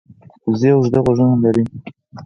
وزې اوږده غوږونه لري